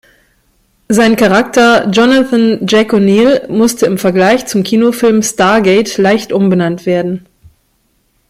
Sein Charakter "Jonathan „Jack“ O’Neill" musste im Vergleich zum Kinofilm "Stargate" leicht umbenannt werden.